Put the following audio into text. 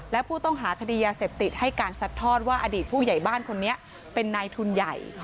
และผู้ต้องหาคดียาเสพติดให้การซัดทอดว่าอดีตผู้ใหญ่บ้านคนนี้เป็นนายทุนใหญ่